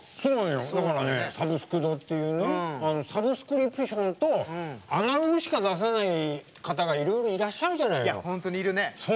だからねサブスク堂っていうねサブスクリプションとアナログしか出せない方がいろいろいらっしゃるじゃない。